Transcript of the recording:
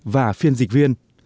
và phiên dịch viên